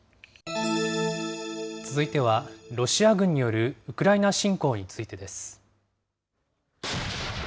続いては、ロシア軍によるウクライナ侵攻についてです。